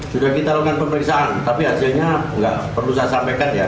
sudah kita lakukan pemeriksaan tapi hasilnya nggak perlu saya sampaikan ya